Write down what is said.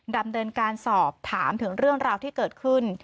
ดำเนินการสอบถามถึงเรื่องราวที่เกิดขึ้น